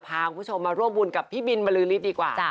พาคุณผู้ชมมาร่วมบุญกับพี่บินมาเร็วรีบดีกว่า